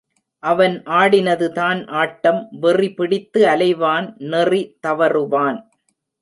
அவன் ஆடினதுதான் ஆட்டம் வெறிபிடித்து அலைவான் நெறி தவறுவான்.